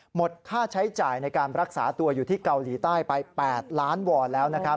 หมดค่าใช้จ่ายในการรักษาตัวอยู่ที่เกาหลีใต้ไป๘ล้านวอนแล้วนะครับ